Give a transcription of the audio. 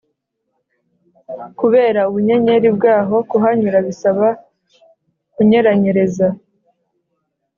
Kubera ubunyereri bwaho kuhanyura bisaba kunyeranyereza